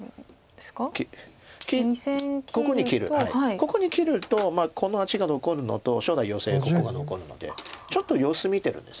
ここに切るとこの味が残るのと将来ヨセここが残るのでちょっと様子見てるんです